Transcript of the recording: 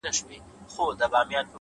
ددغه خلگو په كار كار مه لره